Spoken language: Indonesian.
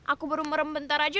aku baru merempetan aja